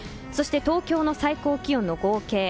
そして、東京の最高気温の合計